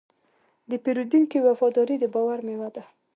د پیرودونکي وفاداري د باور میوه ده.